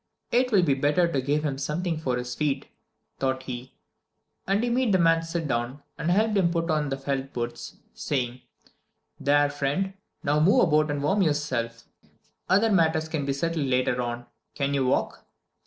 "It will be better to give him something for his feet," thought he; and he made the man sit down, and helped him to put on the felt boots, saying, "There, friend, now move about and warm yourself. Other matters can be settled later on. Can you walk?"